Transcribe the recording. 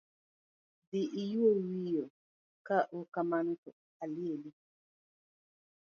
Dhi iyuo wiyo, kaok kamano to alieli.